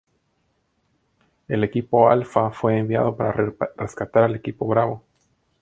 El equipo Alpha fue enviado para rescatar al equipo Bravo.